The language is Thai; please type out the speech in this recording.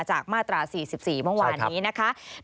จากมาตรา๔๔วันวานนี้นะคะป๊อบม๔๔